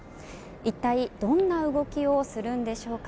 一体どんな動きをするんでしょうか。